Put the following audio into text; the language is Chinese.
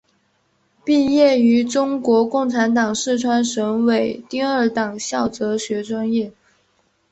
毕业于中国共产党四川省委第二党校哲学专业。